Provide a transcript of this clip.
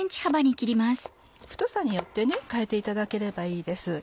太さによって変えていただければいいです。